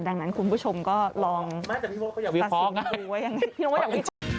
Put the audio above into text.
ดังนั้นคุณผู้ชมก็ลองตัดสินดูไว้อย่างนั้น